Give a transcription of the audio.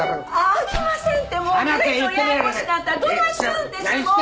あきませんてもうこれ以上ややこしなったらどないするんですもう！